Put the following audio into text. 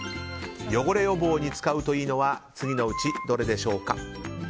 汚れ予防に使うといいのは次のうちどれでしょうか。